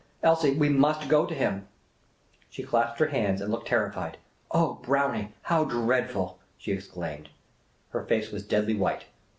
Elsie, we must go to him !'' She clasped her hands and looked terrified. *' Oh, Brownie, how dreadful !'' she exclaimed. Her face was deadly white.